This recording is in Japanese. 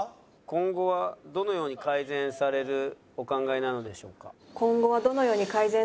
今後はどのように改善されるお考えなのでしょうか？